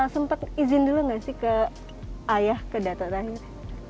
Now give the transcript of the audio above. sempat izin dulu nggak sih ke ayah ke data terakhir